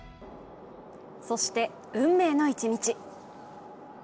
そして、運命の一日。